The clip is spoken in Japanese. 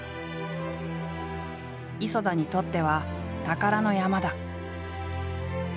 磯田にとっては宝の山だ。